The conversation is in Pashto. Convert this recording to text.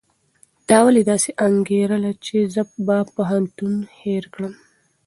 تا ولې داسې انګېرله چې زه به پښتو هېره کړم؟